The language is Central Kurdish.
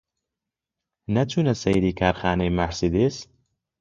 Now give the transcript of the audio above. نەچوونە سەیری کارخانەی مارسیدس؟